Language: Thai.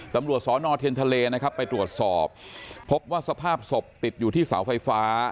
ตำรวจสอนอเทียนทะเลนะครับไปตรวจสอบพบว่าสภาพศพติดอยู่ที่เสาไฟฟ้า